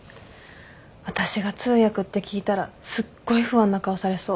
私が通訳って聞いたらすっごい不安な顔されそう。